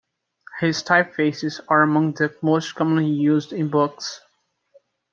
His typefaces are among the most commonly used in books.